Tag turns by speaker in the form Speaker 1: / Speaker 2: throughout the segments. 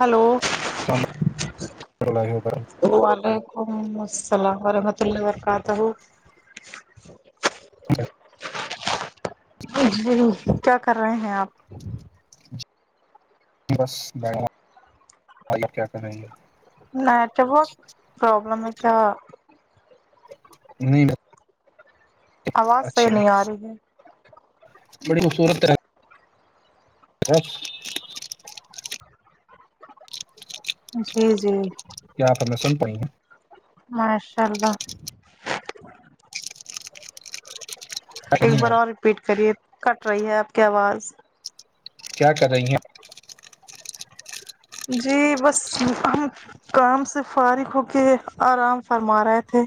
Speaker 1: Hello وعلیکم السلام ورحمۃ اللہ ورکاتہ-
Speaker 2: [unintelligible]
Speaker 1: گ کیا کر رہے ہیں اپ-
Speaker 2: بس ب ب کیا کریں گے [unintelligible]
Speaker 1: نیٹورک پرابلم ہے کیا-
Speaker 2: نہیں ب-
Speaker 1: آواز صحی نہیں آ رہی ہے-
Speaker 2: بڑی خبصورت رہ- سس [unintelligible]
Speaker 1: جی- جی
Speaker 2: کیا آپ ہمیں سن پائی ہیں [unintelligible]
Speaker 1: ماشاءاللہ- ایک بار
Speaker 2: ہیں
Speaker 1: اور رپیٹ کریے کٹ رہی ہے آپ کی آواز-
Speaker 2: کیا کر رہیں ہیں?
Speaker 1: جی بس ہم- کام سے فارغ ہو کے آرام فرما رہے تھے-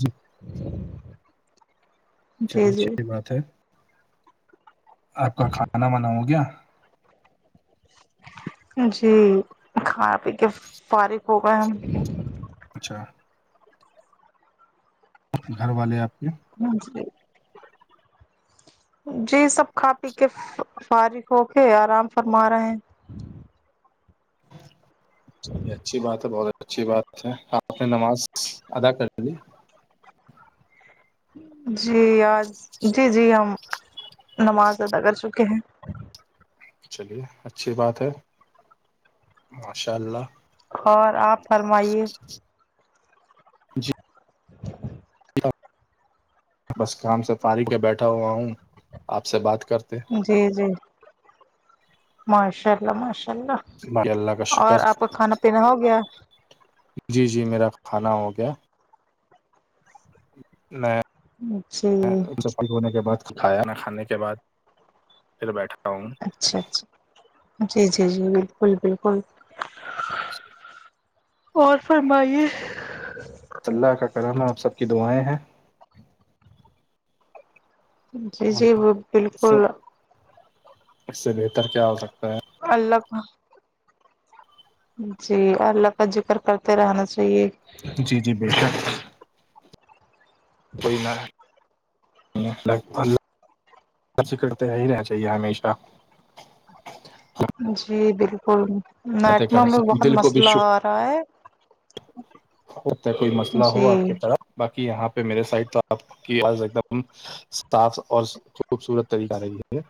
Speaker 2: جی
Speaker 1: [inaudible] جی جی
Speaker 2: چلیےچحھی بات ہے آپ کا کھانا بنا ہو گیا-
Speaker 1: جی کھانا پی کے فارغ ہو گئے ہیں-
Speaker 2: اچھا گھر والے آپ کے
Speaker 1: ہ جی جی سب کھا پی کے فارغ ہو کے آرام فرما رہے ہیں
Speaker 2: اچھی بات ہے بہت اچھی بات ہے آپ نے نماز ادا کر لی
Speaker 1: جی آج جی جی ہم نماز ادا کر چکے ہیں
Speaker 2: چلیے اچھی بات ہے ماشاء اللہ
Speaker 1: اور آپ فرمائیے
Speaker 2: جی
Speaker 1: [inaudible]
Speaker 2: بس کام سے فارغ میں بیٹھا ہوا ہوں آپ سے بات کرتے
Speaker 1: جی جی ماشاء اللہ ماشاء
Speaker 2: باقی کا
Speaker 1: اللہ اور
Speaker 2: شکر
Speaker 1: آپ کا کھانا پینا ہو گیا
Speaker 2: جی جی میرا کھانا ہو گیا میں
Speaker 1: جی
Speaker 2: ہونے کے بعد کھایا نہ کھانے کے بعد پھر بیٹھا ہوں
Speaker 1: اچھا اچھا جی جی جی بالکل بالکل اور فرمائیے
Speaker 2: اللہ کا کرلم ہے آب سب کی دعائیں ہیں
Speaker 1: جی
Speaker 2: اور
Speaker 1: جی وہ بالکل
Speaker 2: سب اس سے بہتر کیا ہو سکتا ہے
Speaker 1: اللہ کا جی اللہ کا ذکر کرتے رہنا چاہیے
Speaker 2: جی جی بالکل کوئینا اللہ کررتے رہ ہی نہیں چاہیے ہمیشہ
Speaker 1: جی بالکل نیٹم میں بہت
Speaker 2: دل کو بھی
Speaker 1: مسئلہ
Speaker 2: شکر
Speaker 1: آ رہا ہے
Speaker 2: اتا کوئی مسئلہ ہو آپ
Speaker 1: جی
Speaker 2: کی طرح باقی یہاں پہ میرے سائڈ تو آپ کی آ ایک دم صاف اور خوبصورت طریقہ رہ ہے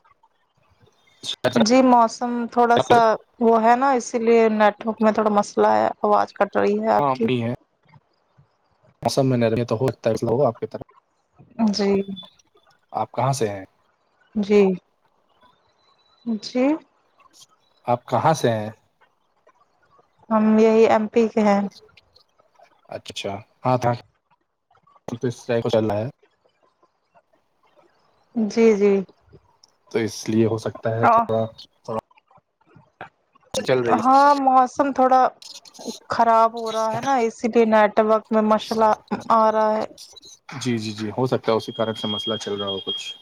Speaker 1: [inaudible] جی موسم تھوڑا سا وہ ہے نا اسی لیے نیٹورک میں تھوڑا مسئلہ ہے آواز کٹ رہی ہے آپ کی
Speaker 2: م میں ہو آپ کی طرف
Speaker 1: جی
Speaker 2: آپ کہاں سے ہیں
Speaker 1: جی جی
Speaker 2: آپ کہاں سے ہیں
Speaker 1: ہم یہی ایم پی کے ہیں
Speaker 2: اچھا ہاں ط چل رہا ہے
Speaker 1: جی جی
Speaker 2: تو اس لیے ہو سکتا ہے تھوڑا چل رہی
Speaker 1: ہاں موسم تھوڑا خراب ہو رہا ہے نا اسی لیے نیٹورک میں ماشاء اللہ
Speaker 2: [unintelligible] جی جی جی ہو سکتا ہے اسی کارن سے مسئلہ چل رہا ہو کچھ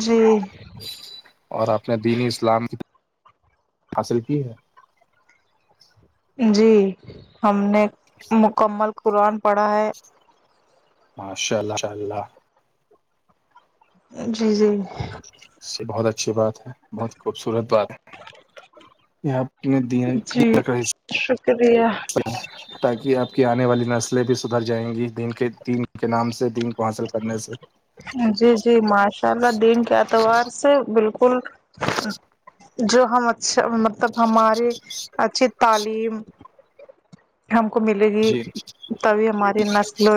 Speaker 1: جی
Speaker 2: اور آپ نے دینی اسلام حاصل کی ہے
Speaker 1: جی ہم نے مکمل قرآن پڑھا ہے
Speaker 2: ماشاء اللہ شاء اللہ
Speaker 1: جی جی
Speaker 2: یہ بہت اچھی بات ہے بہت خوبصورت بات ہے یہ آپ نے دین
Speaker 1: جی شکریہ
Speaker 2: تاکہ آپ کی آنے والی نسلیں بھی سدھر جائیں گی دین کے دین کے نام سے دین کو حاصل کرنے سے
Speaker 1: جی جی ماشاء اللہ دن کے اعتبار سے بالکل جو ہم اچھا مطلب ہماری اچھی تعلیم ہم کو ملے گی
Speaker 2: جی
Speaker 1: تبھی ہماری نسل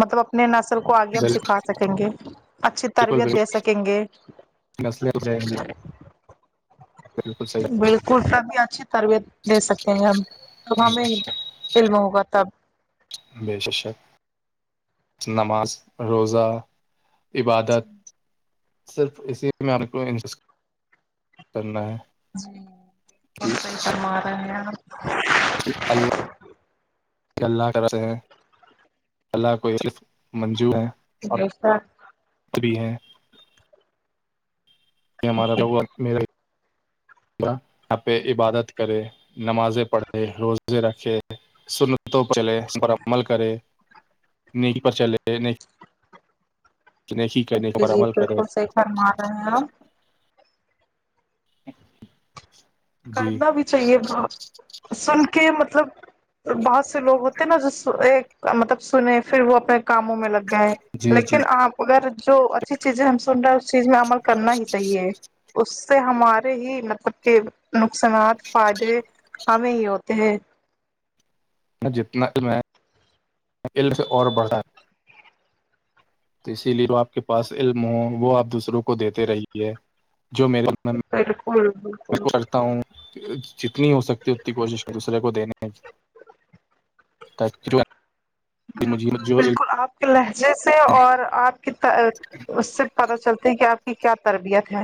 Speaker 1: مطلب اپنے نسل کو آگے ہم
Speaker 2: بالکل
Speaker 1: سکھا سکیں گے اچھی تربیت دے سکیں گے
Speaker 2: کسل ب رہ
Speaker 1: بالکل سب بھی اچھی تربیت دے سکتے ہیں ہم تو ہمیں دل بہ ہو کاا تب
Speaker 2: بے ش شک نماز روزہ عبادت صرف اسی میں کو کرنا ہے
Speaker 1: جی ب اور صحی فرما رہے ہیں ن
Speaker 2: اللہ کہ اللہ کرتے ہیں اللہ کو ایکف منجو ہے اور
Speaker 1: جیشا
Speaker 2: بھی ہیں ہمارا تو میرا یہاں پہ عبادت کرے نمازیں پڑھے روزے رکھے سن چلے ہم پر عمل کرے نہیں پر چلے نہیں جشی کرنے
Speaker 1: جی
Speaker 2: پر
Speaker 1: جی
Speaker 2: عمل کرے
Speaker 1: بالکل صحیح فرما رہے ہیں
Speaker 2: [unintelligible]
Speaker 1: کرنا بھی چاہیے سن کے مطلب بہت سے لوگ ہوتے ہیں نا جو مطلب سنے پھر وہ اپنے کاموں میں لگ گئے
Speaker 2: جی جی
Speaker 1: لیکن آپ اگر جو اچھی چیزیں ہم سن رہا ہے اس چیز میں عمل کرنا ہی چاہیے اس سے ہمارے ہی مطلب کہ نقصانات فائدے ہمیں ہی ہوتے ہیں
Speaker 2: جتنا علم ہے علم سے اور بڑھا ہے تو اسی لیے جو آپ کے پاس علم ہو وہ آپ دوسروں کو دیتے رہیے جو میرے
Speaker 1: بالکل بالکل
Speaker 2: تا ہوں جتنی ہو سکتی اتنی کوشش دوسرے کو دینے [unintelligible] مجھے
Speaker 1: بالکل
Speaker 2: جو علم
Speaker 1: بالکل آپ کے لہجے سے اور آپ اس سے پتہ چلتا ہے کہ آپ کی کیا تربیت ہے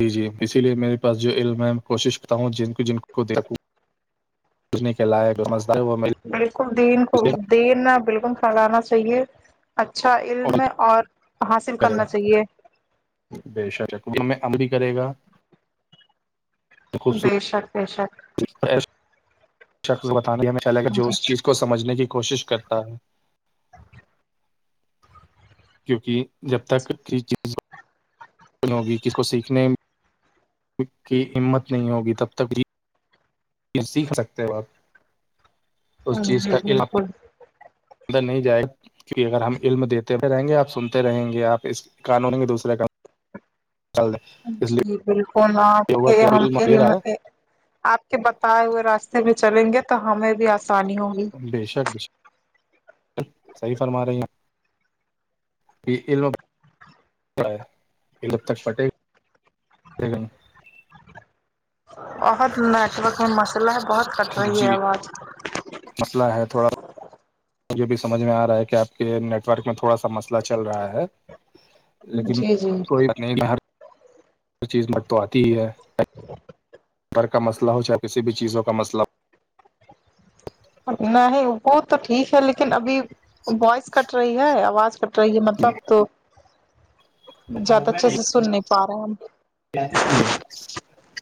Speaker 2: جی جی اسی لیے میرے پاس جو علم ہے کوشش کرتا ہوں جن جن کو دیکھ سوچنے کے لائق ہے وہ
Speaker 1: بالکل دین کو دین نہ بالکل کھلانا چاہیے اچھا علم اور حاصل کرنا چاہیے
Speaker 2: بے شک میں ام بھی کرے گا
Speaker 1: بے شک بے شک
Speaker 2: ص بتانے جو
Speaker 1: جی
Speaker 2: اس چیز کو سمجھنے کی کوشش کرتا ہے کیونکہ جب تک ک چیز ہوگی کسی کو سیکھنے کی ہمت نہیں ہوگی تب تک یہ سیکھ سکتے ہو آپ اس چیز
Speaker 1: جی
Speaker 2: کا عام
Speaker 1: بالکل
Speaker 2: اد نہیں جائے کی اگر ہم علم دیتے رہیں گے آپ سنتے رہیں گے آپ اس قانون گے دوسرےان چلد
Speaker 1: جی بالکل آپ کے ہم
Speaker 2: دے
Speaker 1: علم
Speaker 2: رہا
Speaker 1: سے آپ کے بتائے ہوئے راستے میں چلیں گے تو ہمیں بھی آسانی ہوگی
Speaker 2: بے شک صحیح فرما رہی ہیں علم [inaudible]
Speaker 1: بہت نیٹ ورک میں مسئلہ بہت کٹ رہی
Speaker 2: جی
Speaker 1: ہے آواز
Speaker 2: مسئلہ ہے تھوڑا مجھے بھی سمجھ میں آ رہا ہے کہ آپ کے نیٹ ورک میں تھوڑا سا مسئلہ چل رہا ہے لیکن
Speaker 1: جی جی
Speaker 2: کوئی نہیں ہر چیز میں تو آتی ہی ہے
Speaker 1: [inaudible]
Speaker 2: گھر کا مسلہ ہو چاہے کسی بھی چیزوں کا مسلہ ہو
Speaker 1: نہیں ہی وہ تو ٹھیک ہے لیکن ابھی وائس کٹ رہی ہے آواز کٹ رہی ہے
Speaker 2: ہو،
Speaker 1: مطلب تو زیادہ اچھے سے سن نہیں پا رہے ہم
Speaker 2: جی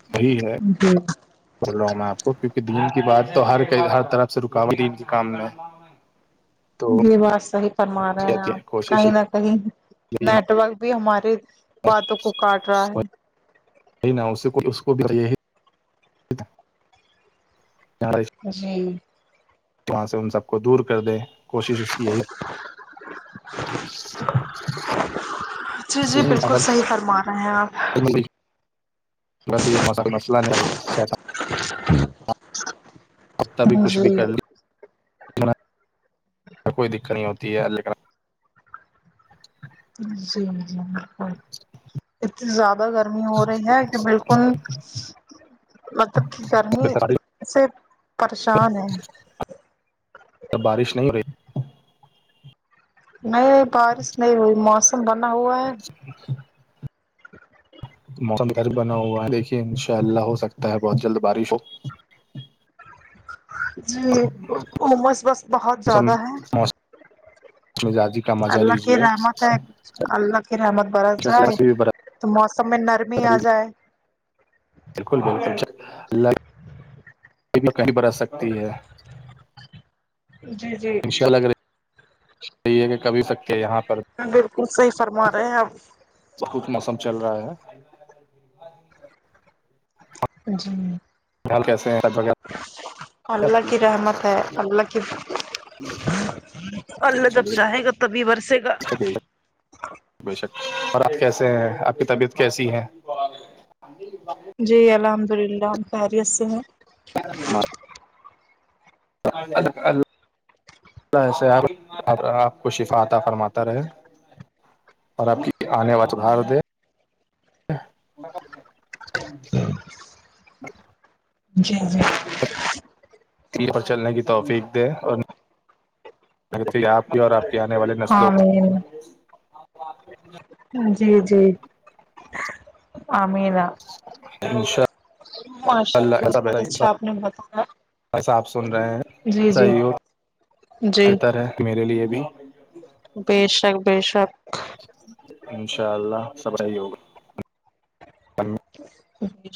Speaker 1: [inaudible]
Speaker 2: چلو میں آپ کو کیوںکہ دین کی بات تو ہر ہر طرف سے رکاوٹ دین کے کام میں ہے
Speaker 1: [inaudible] یہ بات صحیح فرما رہے ہیں آپ
Speaker 2: کوشش
Speaker 1: کہیں نہ کہیں نیٹورک بھی ہمارے
Speaker 2: [inaudible]
Speaker 1: باتوں کو کاٹ رہا ہے
Speaker 2: اس کو بھی یہی [inaudible]
Speaker 1: جی
Speaker 2: وہاں سے ان سب کو دور کر دیں کوشش اس کی یہی [inaudible]
Speaker 1: جی جی
Speaker 2: یہی اگر
Speaker 1: بالکل صحیح فرما رہے ہیں آپ
Speaker 2: [inaudible]
Speaker 1: [inaudible] جی
Speaker 2: [inaudible]
Speaker 1: جی اتنی زیادہ گرمی ہو رہی ہے کہ بالکل مطلب کہ گرمی
Speaker 2: لیکن
Speaker 1: سے پریشان ہے
Speaker 2: بارش نہیں ہو رہی
Speaker 1: نہیں بارش نہیں ہوئی موسم بنا ہوا ہے
Speaker 2: [inaudible] موسم گر بنا ہوا ہے دیکھے انشاء اللہ ہو سکتا ہے بہت جلد بارش ہو
Speaker 1: جی موموز بس بہت
Speaker 2: موسم
Speaker 1: زیادہ ہیں
Speaker 2: موسم [inaudible]
Speaker 1: اللہ کی
Speaker 2: لیجیے
Speaker 1: رحمت ہے اللہ کی رحمت برس رہا ہے تو موسم میں نرمی آ جائے
Speaker 2: بالکل بالکل [inaudible] سکتی ہے
Speaker 1: جی جی
Speaker 2: [inaudible]
Speaker 1: بالکل صحیح فرما رہے ہیں آپ
Speaker 2: بہت موسم چل رہا ہے [inaudible]
Speaker 1: جی
Speaker 2: [inaudible] کیسے ہیں
Speaker 1: اللہ کی رحمت ہے اللہ کی اللہ جب چاہے گا تبھی برسے گا
Speaker 2: بے شک اور آپ کیسے ہیں آپ کی طبیعت کیسی ہے
Speaker 1: جی الحمد للہ ہم خیریت سے ہیں
Speaker 2: [inaudible] [inaudible] اللہ آپ کو شفا عطا فرماتا رہے اور آپ کی آنے [inaudible] دے [inaudible] جچھ
Speaker 1: جی جی
Speaker 2: پر چلنے کی توفیق دے اور آپ کی اور آپ کے آنے والے نسلوں
Speaker 1: آمین جی جی عمینا
Speaker 2: انشاء
Speaker 1: ماشاء اللہ بہت اچھا آپ نے بتاا
Speaker 2: بس آپ سن رہے ہیں سی ہو
Speaker 1: جی
Speaker 2: بہتر ہے میرے لیے بھی
Speaker 1: ب شک بے شک
Speaker 2: انشاء اللہ سب صحی ہوگا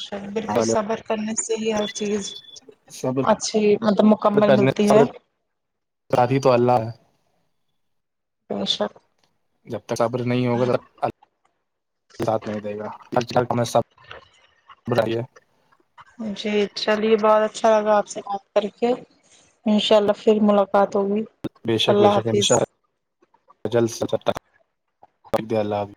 Speaker 1: جیر بالکل صبر کرنے سے ہی ہر چیز
Speaker 2: صبر
Speaker 1: اچھی مطلب مکمل ملتی ہے
Speaker 2: سادھی تو اللہ
Speaker 1: پیشا
Speaker 2: جب تک صبر نہیں ہوگا ساتھ میں نہیں دے گا آج کل میں سب بٹھائیے
Speaker 1: جی چلیے بہت اچھا لگا آپ سے بات کر کے انشاء اللہ پھر ملاقات ہوگی
Speaker 2: بے شک ب
Speaker 1: اللہ
Speaker 2: شک انا
Speaker 1: حافظ
Speaker 2: ال جلد اللہ حافظ